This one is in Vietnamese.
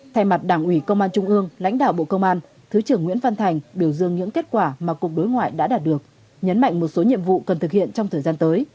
thay mặt đảng ủy công an trung ương lãnh đạo bộ công an thứ trưởng nguyễn văn thành biểu dương những kết quả mà cục đối ngoại đã đạt được nhấn mạnh một số nhiệm vụ cần thực hiện trong thời gian tới